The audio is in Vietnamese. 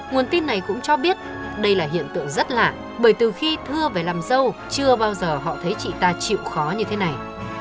nguồn tin này cũng cho biết đây là hiện tượng rất lạ bởi từ khi thưa về làm dâu chưa bao giờ họ thấy chị ta chịu khó như thế này